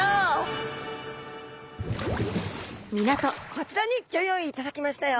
こちらにギョ用意いただきましたよ。